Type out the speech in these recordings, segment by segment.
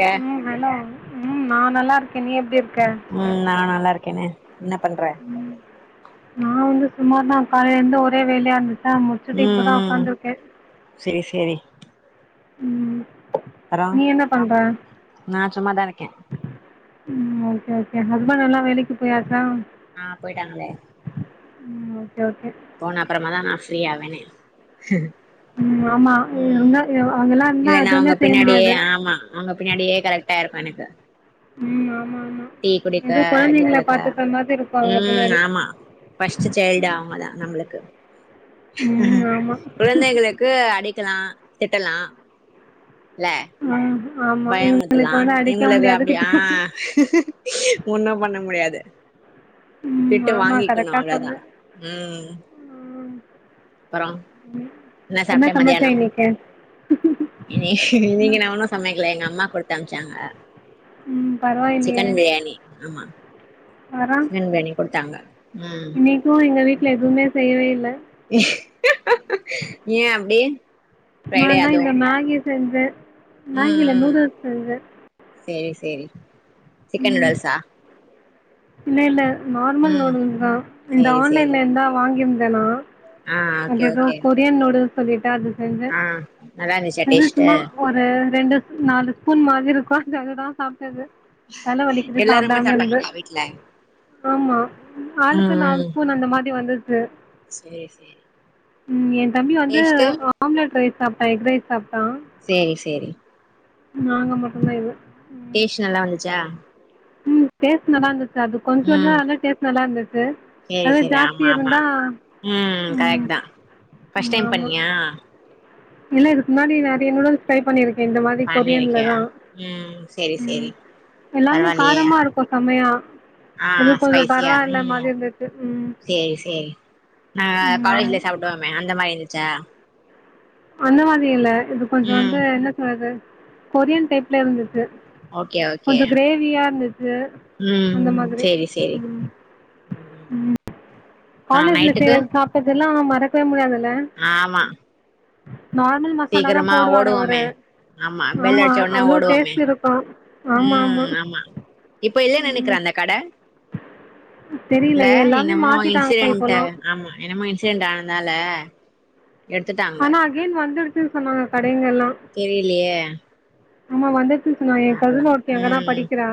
க ம் ஹலோ உம் நா நல்லா இருக் ம் நா நல்லா இருக்கனே என்னப் பண்ற நா வந்து சுமார் தா காலைலருந்து ஒரே வேலையா இருந்துது எல்லா முச்சுட்டு ம் இப்பதா ம் வொக்காந்துருக்கே செரி செரி ம் அப்றோ நீ என்ன பண்ணுற நா சும்மாதாருக்கே [unintelligible] ஓகே ஹஸ்பண்ட் எல்லா வேலைக்கு போயாச்சா ஆ போயிட்டாங்களே ம் ஓ போன அப்பறமா தா நா ஃபீரீ அவனே ம் ஆமாம் ம் இருந்தால் அவங்கெல்லாம் இருந்தால் இல்லனா எதுவுமே அவுங்க செய்ய பின்னாடியே முடியாது ஆமா அவுங்க பின்னாடியே கரெக்டாருக்கு எனக்கு ம் ஆமா டீ குடுக்க அடி குடுக்க மாதிரி இருக்கும் அவங்க ம் பின்னாடி ஆமா ஃபஸ்டு சைல்டு அவுங்க தா நம்ளுக்கு ம் ஆமாம் குழந்தைகளுக்கு அடிக் க்கலா திட்டலா ம் பயமுத்துலா இவுங்ளுக்கு அப்டியா திட்ட முடியாது ஆ ஒன்னு பண்ண முடியாது ம் திட்டு ஆமாம் வாங்கிகினு கரெக்டாக அவ்ள தா சொன்ன ம் அப்பறோ என்ன சாப்ட சமைச்ச மத்யானோ இன்னைக்கு இனி நீங்க ம் நம தா சம்மே இல்ல எங்க அம்மா குடுத்தனுப்சாங்க ம் பரவாயில்லையே சிக்கன் பிரியாணி ஆமா சிக்கன் பிரியாணி குடுத்தாங்க ம் இன்னிக்கும் எங்க வீட்ல எதுமே செய்யவே இல்ல ஏ அப்டி நா ஃப்ரைடே தா அதுவு இந்த மேகி செஞ்ச மேகிலா நூடுல்ஸ் செஞ்ச செரி செரி சிக்கன் லேல்ஸா இல்ல இல்ல நார்மல் நூடுல்ஸ் தா இந்த சேரி சேரி ஆன்லைன்ல இந்தா வாங்கிர்ந் இத நா ஆ அது ஓகே எதோ ஓகே கொரியன் நூடுல்ஸ் சொல்லிட்டா அது அதுதா ஆ நல்லா இருந்துச்சா ஆ டேஸ்ட்டு சும்மா ஒரு ரெண்டு நாலு ஸ்பூன் மாதிரிருக்கா ததுதா சா ட்டது தல வலிக்குது எல்லாருமே சாப்புடாம இருந்து சாப்ட்டாங்களா வீட்ல ஆமா ஆளுக்கு ம் நாலு ம் ஸ்பூன் அந்த மாரி வந்தத் ரு சேரி சேரி ம் என் தம்பி வந்து டேஸ்ட்டு ஆம்லெட் ரைஸ் சாப்ட்டா எக்ரைஸ் சாப்ட்டா சேரி சேரி நாங்க மட்டுதா இது டேஸ் நல்லா வந்திச்சா ம் டேஸ் நல்லா இருந் த அது ம் கொஞ்சோதா டேஸ்ட் நல்லா இருந்த சேரி சேரி ஆமா ஆமா ம் கரெக்ட்தா ஃபஸ்ட் ம் டைம் ஆமா பண்ணியா இல்ல இதுக்கு முன்னாடி நெறைய நூடல்ஸ் ட்ரை பண்ணிருக் கே இந்த மாரி பண்ணிருக்கியா கொரியன்லதா ம் சேரி ம் சேரி எல்லாமே பரவாயில்லையே காரமா இருக்கு செம்மயா ஆ இது கொஞ்சோ ஸ்பைசியா பரவாயில்ல ம் மாரி இருந்திச்சி ம் சேரி சேரி நா ம் ஆமா காலேஜ்லே சாப்பிடுமே அந்த மாரி இருந் ச்சா அந்த மாரி இல்ல இது கொஞ்சோ ம் வந்து என்ன சொல்லது கொரியன் டைப்ல இருந்துச்சி ஓகே ஓகே கொஞ்சோ கிரேவியா இருந் து ம் அந்த மாதிரி சேரி சேரி ம் ம் ஆ காலேஜ்ல செய்ற நைட்டுக்கு சாப்பிட்டத ல்லா மறக்கவே முடியாத ஆமா ஹ சீக்கிரமா ஓடுவோமே ஆமா பெள்ளூ அடிச்ச உன்னே அவ்ளோ ஓடுவோமே டேஸ்ட் இருக்கு ம் ஆமா இப்ப இல்ல நெனைக்கிறே ம் அந்த கட தெரில இல்ல எல்லாமே இன்னமோ மாத்திட்டாங்க இன்சிடென்ட் இப்போல்லா ஆமா என்னமோ இன்சிடென்ட் ஆனதனால ஆனா அகேன் வந்துட் ம் சொன்னாங்க கடைங்கல்லா தெரிலியே ஆமா வந்து சிஸ் நா ஏன் கசின் ஒருத்தி அங்கதா ம் படிக்கிறா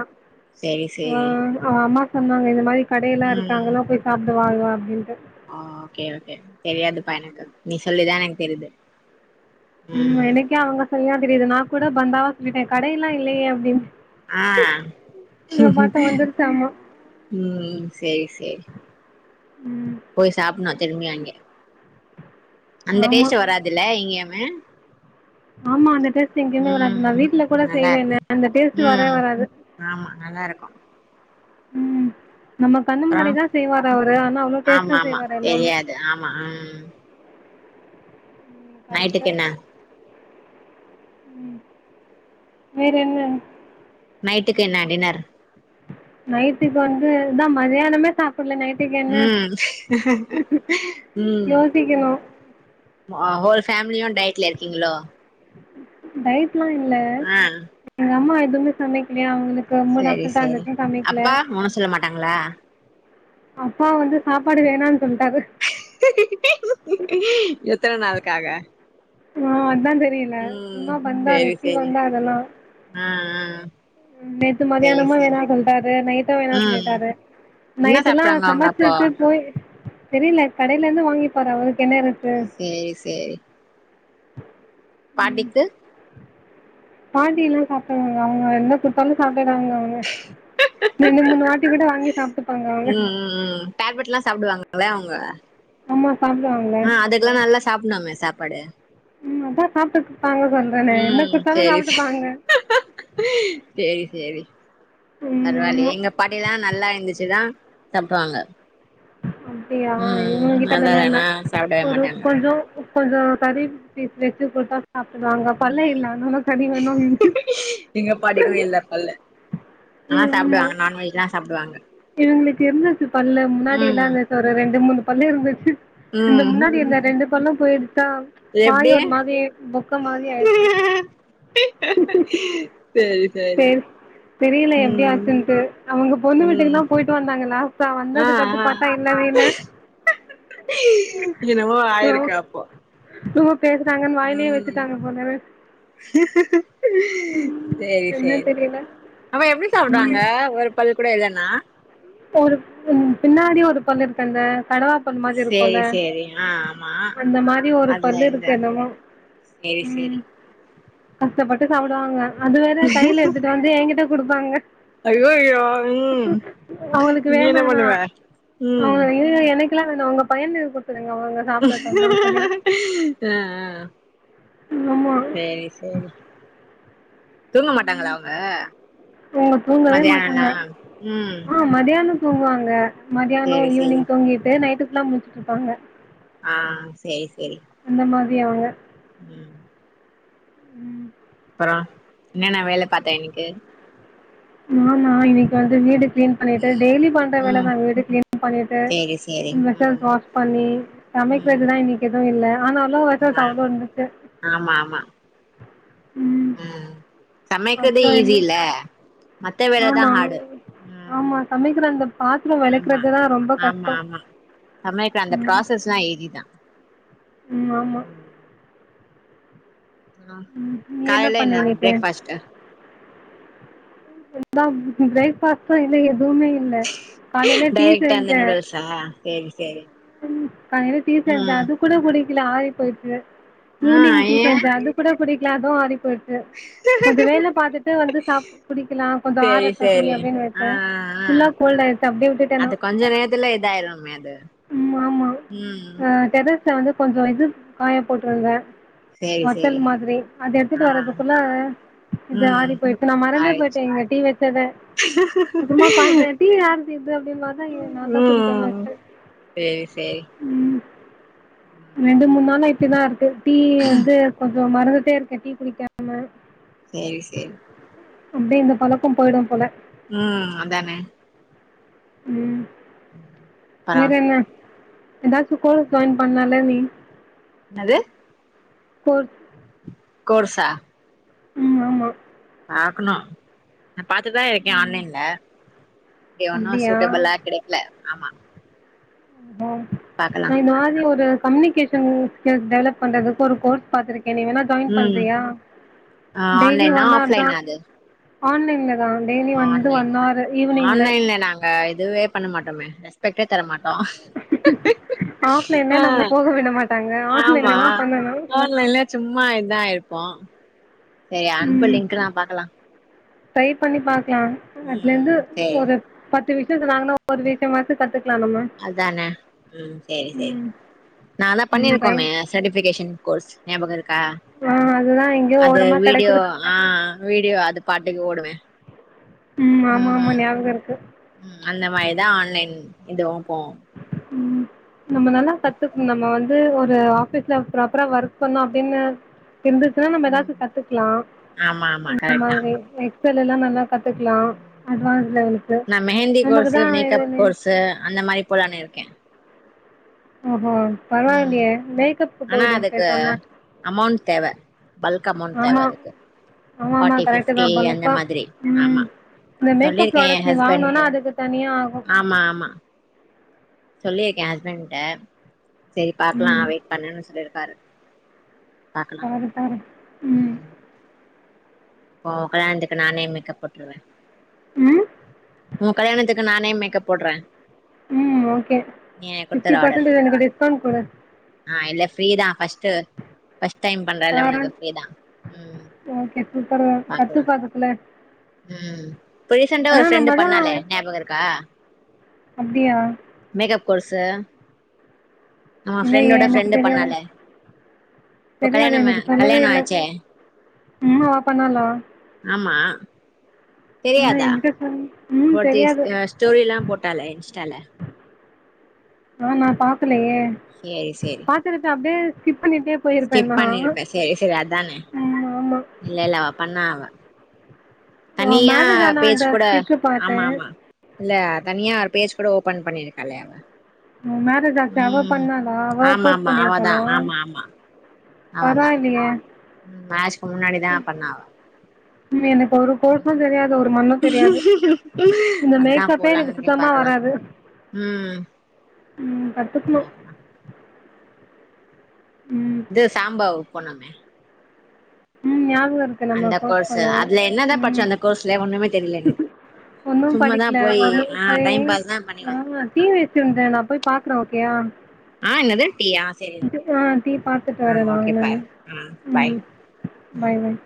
சேரி ஆ சேரி அவ அம்மா சொன்னாங்க இந்த மாரி கடைல்லா இருக்கா அங்கதா போய் சாப் டுவாங்க அப்டின்ட்டு ஆ ஓகே ஓகே தெரியாதுப்பா எனக்கு நீ சொல்லிதா எனக்கு தெரிய்து ம் எனக்கே அவங்க சொல்லிதா தெரியுது நா கூட பந்தாவா சொல்லிட்டே கடையெல்லா இல்லையே அப்டின்னு ஆ அ பார்த்தா வந்துருச்சு ஆமா ம் செரி செரி ம் போய் சாப்டனு செரிங்ளா அங்க அந்த ஆமா டேஸ்ட் வராதுல்ல இங்க ஆ ஆமா அந்த டேஸ்ட் எங்கயமே வராது நா வீட்ல கூட நல்லா செய்வே இருக்கு ஆனா அந்த டெஸ்ட் வரவே ம் வராது ஆமா நல்லா இருக்கு ம் நம்ம கண்ணு அப்றோ முன்னாடிதா செய்வாரு அவரு ஆனா அவ்ளோ ஆமா டேஸ்ட்டா ஆமா செய்வாரு எல்லாமே தெரியாது ஆமா ம் கரெக்ட்டு நைட்டுக்கு என்ன ம் வேற என்ன? நைட்டுக்கு என்ன டின்னர்? நைட்டுக்கு வந்து இதா மதியானமே சாப் ம் ம் யோசிக்கணும் அவ ஃபேமிலியு டயட்ல இருக்கீங்களோ? டயட் லா இல்ல ஆ எங்க அம்மா எதுமே சமைக்கலயா அவங்களு கம்முனு [unintelligible] அங்கிட்டும் சமைக்கல ட்டாங்களா அப்பா வந்து சாப்பாடு வேணான்னு சொல்லிட்டாரு எத்தன நாளுக்காக? ஆன் அதா தெரியுல்ல ம் சும்மா பந்தா சேரி வெட்டி சேரி பந்தா அதெல்லா ஆ ஆ ம் நேத்து சேரி மதியானமு சேரி வேணா சொல்ட்டாரு நைட்டு வேணான் ம் சொல்லிட்டாரு என்ன நைட்டு எல்லா சாப்ட்டாங்க அவங்க சமச்ச அப்போ வெச்சு போயி தெரில கடைல இருந்து வாங்கிருப்பாரா அவருக்கு என்ன இது சேரி சேரி பாண்டிக்கு பாட்டி எல்லா சாப்புடுவாங்க அவங்க என்ன குடுத்தாலு சாப்புறாங்க அவங்க ரெண்டு மூணு வாட்டி கூட வாங்கி சாப்புட்டு ம் ம் ம் டேப்லெட் எல்லா சாப்புடுவாங்க நல்ல அவுங்க ஆமா சாப்டுவாங்கள ஆ அதுக்கெல்லா நல்லா சாப்புனுமே சாப்பாடு ட்டா சாப்டுட்டு ம் சேரி சேரி சேரி ம் ஆமா பரவால்லயே எங்க பாட்டில்லா நல்லா இருந்துச்சுன்னா சாப்புடுவாங்க அப்டியா இவங்க கிட்ட தான இல்ல இல்லனா சாப்டவே ஒரு மாட்டாங்க கொஞ்சோ கொஞ்சோ கறி பீஸ் வெச்சு குடுத்தா சாப்புடுவாங்க பல்லே ம் இல்ல அனாலு கறி வேணு எங்க பாட்டிக்கு இல்ல பல்லு ஆ சாப்டுவாங்க ஆமாங் நான்வெஜ்லா சாப்டுவாங்க இல்லிங் என்னாச்சு பல்லு [unintelligible] ம் ஒரு ரெண்டு மூணு பல்லு இருந்துச்சு இந்த ம் முன்னாடி இருந்த ரெண்டு பல்லு போயிருச் ச்சா இது வாய் எப்டி ஒரு மாதிரி பொக்க மாரி ஆயிருச்சு சேரி சேரி தெரியில ம் எப்டியாச்சுன்னட்டு அவங்க பொண்ணு ம் வீட்டுக்குதா போயிட்டு வந்தாங்கல்லா லாட்டா ஆ வந்தது கடுத்து ஆ பத்தா இல்லவே இல்ல என்னமோ அ ஆ ஆயிருக்கு அப்போ டூ வொர்க் ம் சேரி என்ன சேரி தெரியல ஆமா எப்டி ம் சாப்புடுவாங்க ஒரு பல் கூட இல்லன்னா ஆ ஒரு ம் பின்னாடி ஒரு பல்லு இருக்கு அந்த கடவா பல் மாரி இருக்குல்ல சேரி சேரி ஆ ஆமா அந்த மாரி ஒரு அதுல பல்லு இருந்து இருக்கணுமா சேரி ம் சேரி கஷ்டப்பட்டு சாப்புடுவாங்க அது வேற கையில எடுத்துட்டு வந்து ஏங்கிட்ட குடுப்பாங்க ஐயோ ஐயோ ம் அவங்களுக்கு நீ என்ன வேணானா பண்ணுவ ம் அவங்க இல்லையே பண்ணிக்கலான்னுனு அவுங்க பையனுக்கு குடுத்துருங்க அவங்க சாப்டட்டு அப்டின்னு சொல்லிரு அ அ ஆமா செரி செரி தூங்க மாட்டாங்களா அவுங்க அவுங்க தூங்கவே மாட்டாங்க ம் ஆ மதி யானம் தூங்குவாங்க மதியானம் சேரி தூங்கி சேரி ஈவினங் தூங்கிட்டு நைட்டு எல்லா முழிச்சிட்டு இருக்காங்க ஆ செரி செரி அந்த மாதிரி அவுங்க ம் ம் ஆ என்னன்ன வேல பாத்த இன்னைக்கு நானா இன்னைக்கு அது வீடு க்ளீன் பண்ணிட்டு டெய்லி பண்ற ம் வேலதான் வீட்டு க்ளீன் பண்ணிட்டு சேரி சேரி ம் மெஷஸ்வாஷ் பண்ணி சமைக்கிறது ம் தான் இன்னைக்கு எதுவும் இல்ல ஆனாலும் வெஸ்சஸ் ஆ அவ்ளோ இருந்துச்சு ஆமா ஆமா ம் சமைக்குறது அப்றோ ஈஸி எங்க இல்ல மத்த ஆமா வேலைதான் ஹார்டு ம் ஆமா சமைக்கிற அந்த பாத்திரோ ஆமா வெளக்குறதுதா ரொம்ப ஆமா கஷ்டோ ஆமா சமைக்கிற அந்த ப்ராசஸ் எல்லாம் ஈஸிதான் ஆமா ஆமா ஆ ம் நீ காலைல பண்ண என்ன இன்னைக்கு பிரேக்பாஸ்ட்டா தான் இப்ப ப்ரேக்பாஸ்ட்டு இன்னும் எ துவுமே இல்ல காலையில டீ டைரக்டா அந்த செஞ்சேன் நூடுல்ஸா சேரி சேரி சாயங்காலம் டீ கலந்தேன் ம் அது கூட கு டிக்குல ஆறி போச்சு ஆ ஈவ்னிங் டீ ஏன் செஞ்சேன் அது கூட குடிக் இல்ல அதுவும் ஆறி போச் சு கொஞ்சம் வேலை பாத்துட்டு வந்து சாப்ட் குடிக்கலாம் கொஞ்சோம் சேரி ஆறட்டும் டீ சேரி அப்படின்னு ஆ விட்டேன் ஆ ஆ புல்லா கோல்டு ஆயடுச்சு அப்படியே விட்டுட்டேன் அது நான் கொஞ்ச நேரத்துல இதாயிருமே அது ம் ஆமா ம் ஆ தெ ல வந்து கொஞ்சோ இது காய போட்டுருந்த சேரி வத்தல் சேரி மாதிரி அது எடுத்துட்டு ஆ வர்றதுக்குள்ள இது ம் ஆறிபோயிச் நா மறந்தே ஆயிடுச்சு போயிட்டேங்க டீ வச்சத அப்புறமா பாக்குறே டீ யாருது இது அப்பிடின்னு பாத்தா நா தா ம் குடிக்காமவச்சே சேரி சேரி ரெண்டு மூணு நாளா இப்பிடிதா இருக்கு டீ வந்து கொ தோ மறந்துட்டே இருக்க டீ குடிக்காம சேரி சேரி அப்பிடியே இந்த பழக்கோ போயிடுபோல ம் அதானே ம் அப்பறோ வேறன்ன ஏதாச்சு கோர்ஸ் ஜாயின் பண்ணல நீ இன்னது போர் கோர்சா ம் ஆமா ஆக்குணு நா பாத்துதா இருக்கே ஆன்லைன்ல ஏ ஒன்னு அப்டியா சூட்டபிளா கிடைக்கல ஆமா ஆ பாக்கலா அ இந்த மாரி ஒரு கம்யூனிகேஷன் ஸ்கில்ஸ் டெவலப் பண்றதுக்கு ஒரு கோர்ஸ் பாத்துருக் கே நீ வேணா ஜாயின் ம் பண்றியா ஆ டெய்லி ஆன்லைனா ஒன் ஆர் தா ஆஃப்லைனா அது ஆன்லைன்ல தா டெய்லி வந்து ஆன்லைன் ஒன் ஹவர் ஈவினிங்ல ஆன்லைன்ல நாங்க இதுவே பண்ண மாட்டமே [unintelligible] ட்டோ ஆஃப்லைன்ல ஆ நம்மள போக விட மாட்டாங்க ஆமா ஆன்லைன்ல தா பண்ணணு ஆன்லைன்ல சும்மா இதா இருப் பா சேரி அனுப்பு லிங்க நா பாக்கலா டை பண்ணி பா கிலா ம் அதுலருந்து சேரி ஒரு பத் சி விஷ்ஸ வாங்கனோ ஒரு [unintelligible] கத்து அதன ம் சேரி சேரி ம் நா தா ம் ட்ரை பண்ணிருக்கோமே சர்டிபிகேஷன் கோர்ஸ் ஞாபகர் கா ஆ அதுதா எங்கயோ அது ஓரமா வீடியோ கெடக்குது ஆ வீடியோ அது பாட்டுக்கு ஓடுவே ஆமா ஆமா ம் ஞாபகோ இருக்கு ம் அந்த மாரிதா ஆன்லைன் இந்த வப்போம் ம் நம்ம நல்லா கத்துக்கணு நம்ம வந் ஒரு ஆபீஸ்ல பிராப்பரா ஒர்க் பண்ணு அப்பிடின்னு துன்டுசுன்னா நம்ம ம் எதாச்சு கத்துக்கலாம் ஆமா ஆமா இந்த கரெக்ட் தா மாரியே எக்சல் எல்லா நல்லாரு நா மெஹந்தி கோர்ஸு நமக்குதா மேக்கப் இதுன்னு கோர்ஸு அந்த மாரி போலான் இருக்கே அப்போ ம் ஆனா அதுக்கு பேசாம அமோண்ட் தேவை பல்க் அமோண்ட் தேவ ஆமா அதுக்கு ஆமா ஆமா பாட்டி கரெக்ட்டுதா பிப்டி அந்த பலுக்கா மாரி ம் ஆமா இந்த மேக்கப் சொல்லிருக்கேன் ஏ ப்ராடக்ட் நீ வாங்கணுனா ஹஸ்பெண்ட்கு அதுக்கு தனியா ஆகு ஆமா ஆமா சொல்லிருக்கே ஹஸ்பெண்ட்ட சரி பாக்கலாம் ம் வெயிட் பண்ணுன் சொல்லிருக்காரு பாக்கலா பாரு பாரு ம் அப்போ உங் கல்யாணத்துக்கு நானே மேக்கப் போட்டுருவே ம் உங் கல்யாணத்துக்கு நானே மேக்கப் போடுறேன் ம் ஓகே ஃபிப்டி ஆர்டர் பஸன்டு எனக்கு டிஸ்கவுண்ட் குடு ப்ரீதா பஸ்ட் பஸ்ட் டைம் பண்றேன்ல வேற உனக்கு ப்ரீ தான் ம் பரவால்ல சட்டி பாக்கலா பாத்தத்துல ம் ரீசன்டா ஒரு ஃப்ரெண்டு பண்ணாலே ஞாபக இருக்கா அப்டியா மேக்கப் கோர்ஸு நம இல்லையே ஃப்ரெண்டோட எனக்கு ஃப்ரெண்டு தெரியாது பண்ணாலே இப்ப தெரியாது கல்யாணமே எனக்கு சொல்லவே கல்யாணம் இல்ல ஆச்சே ம் அவ பண்ணலா ஆமா ஆ தெரியாதா என்கிட்ட சொல் ம் ஒருத்தி ஸ் தெரியாது ஸ்டோரி எல்லா போட்டாலே இன்ஸ்டால ஆ நா பாக்கலயே சேரி சேரி பாத்துருக்க அப்டி ஃஸ்கிப்பன்னிடே. ஸ்கிப் பண்ணிருப்பேன் செரி செரி அதானே ம் ஆமா இல்லல்ல பண்ணா அவ. ஓ தனியா மேரேஜ் ஆனா பேஜ் அந்த கூட ஃஸ்லிப் பாத்தே ஆமா ஆமா இல்ல தனியா அவ பேஜ் கூட ஓபன் பண்ணிருக்காளே அவ. மேரேஜ் ஆச்சு அவ உம்ம் பண்ணாளா அவ ஆமா கோர்ஸ் ஆமா அவதா பண்ணியிருக்காளா ஆமா ஆமா அவதா பரவாயில்லையே உம்மேரேஜுக்கு முன்னாடிதா பண்ணா அவ. ம எனக் ஒரு கோர்ஸும் ம் தெரியாது ஒரு மண்ணு தெரியாது இந்த அதா மேக்கப்பே போலான்னு எனக்கு இருக்கே சுத்தமா பாக்கலா வராது. ம் உம். கத்துக்கனு பாக்கலா இது சாம்பாவ போனமே உம் ஞா. புதன்கெழம கோர்ஸு கோர்ஸ்பண்ணே அதுல என்னதா படிச்சோ அந்த கோர்ஸ்ல ஒண்ணுமே தெரில எனக்கு ம்ம்ஒண்ணும் சும்மாதா படிக்கல போய் ஆ டைம் [unintelligible] போய் பாஸ் தா பண்ணி வந்தோ டீ வச்சுட்டு வந்தேன் நா போய் பாக்குரே ஓகே ஆ என்னது டீயா சேரி ஓகே வா, டீ பாத்துட்டு ஆ வரே நா ஓகே என்ன்னு. பாரு ஆ பாய் ம் பய்பய்